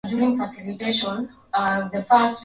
anachukua mtangazaji wa kituo cha redio kilichopangwa